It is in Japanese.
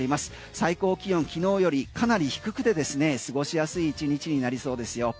最高気温きのうよりかなり低くて過ごしやすい１日になりそうですよ。